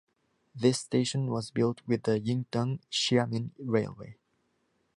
This station was built with the Yingtan–Xiamen railway.